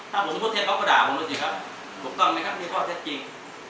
ถ้าผมพูดเท่าก็ด่าผมนะสิครับถูกต้องไหมครับพี่พ่อเท่าจริง